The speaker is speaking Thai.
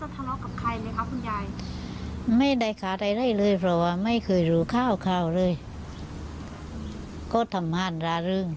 ถ้าจับได้แล้วเขามากล่าวโสก็มา